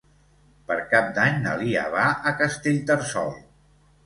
Per Cap d'Any na Lia va a Castellterçol.